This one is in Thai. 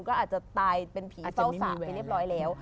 ก็อาจจะตายเป็นผีเศร้าสระไปเรียบร้อยแล้ว